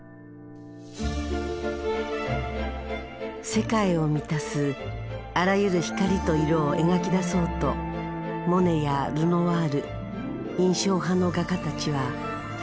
世界を満たすあらゆる光と色を描き出そうとモネやルノワール印象派の画家たちは夢みた。